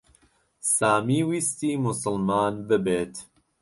سامی ویستی موسڵمان ببێت.